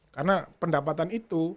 karena pendapatan itu